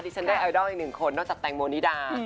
ฉันได้ไอดอลอีกหนึ่งคนนอกจากแตงโมนิดา